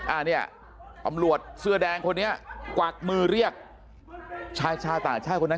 อันนี้ตำรวจเสื้อแดงคนนี้กวักมือเรียกชายชาวต่างชาติคนนั้น